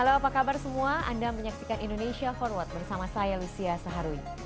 halo apa kabar semua anda menyaksikan indonesia forward bersama saya lucia saharwi